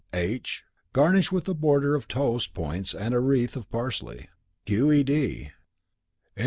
(h) Garnish with a border of toast points and a wreath of parsley. Q. E. D.